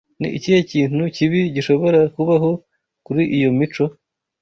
Ni ikihe kintu kibi gishobora kubaho kuri iyi mico?